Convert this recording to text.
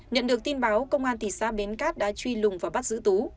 nhận được tin báo công an thị xã bến cát đã truy lùng và bắt giữ tú